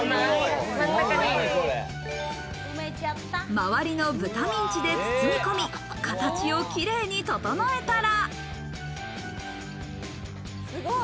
周りの豚ミンチで包み込み、形を綺麗に整えたら。